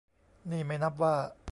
นี่ไม่นับว่า